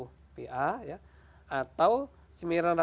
nah jadi persyaratan subsidi itu kan empat ratus lima puluh pa